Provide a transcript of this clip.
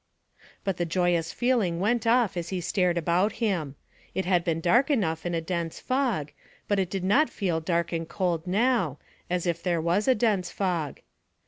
But the joyous feeling went off as he stared about him. It had been dark enough in a dense fog, but it did not feel dark and cold now, as if there was a dense fog.